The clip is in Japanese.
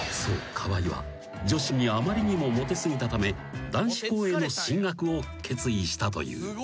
川合は女子にあまりにもモテ過ぎたため男子校への進学を決意したという］